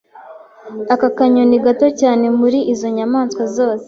Ako kanyoni gato cyane muri izo nyamaswa zose